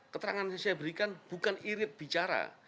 keterangan yang saya berikan bukan irit bicara